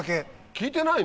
聞いてないの？